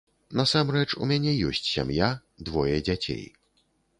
Насамрэч, у мяне ёсць сям'я, двое дзяцей.